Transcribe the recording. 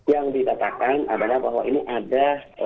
yang dikatakan adalah bahwa ini ada